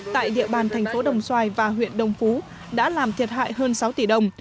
tại địa bàn thành phố đồng xoài và huyện đồng phú đã làm thiệt hại hơn sáu tỷ đồng